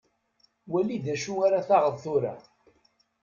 Wali d acu ara taɣeḍ tura.